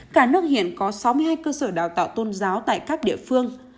cả nước hiện có sáu mươi hai cơ sở đào tạo tôn giáo tại các địa phương